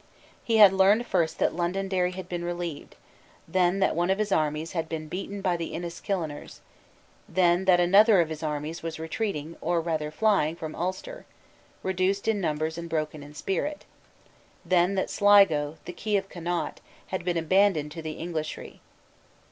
He had learned first that Londonderry had been relieved; then that one of his armies had been beaten by the Enniskilleners; then that another of his armies was retreating, or rather flying, from Ulster, reduced in numbers and broken in spirit; then that Sligo, the key of Connaught, had been abandoned to the Englishry.